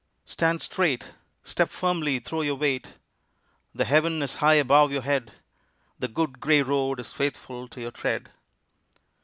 Stand straight: Step firmly, throw your weight: The heaven is high above your head, The good gray road is faithful to your tread.